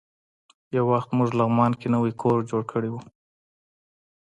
یو وخت موږ لغمان کې نوی کور جوړ کړی و.